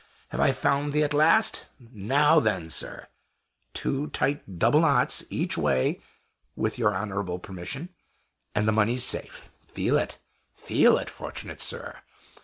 _ have I found thee at last? Now then, sir two tight double knots each way with your honorable permission, and the money's safe. Feel it! feel it, fortunate sir!